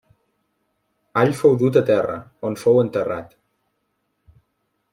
Hall fou dut a terra, on fou enterrat.